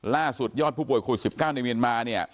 ล่าสุดยอดผู้ป่วยโควิด๑๙ในเมียนมาเนี่ย